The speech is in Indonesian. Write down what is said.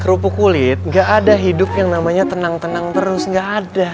kerupuk kulit gak ada hidup yang namanya tenang tenang terus gak ada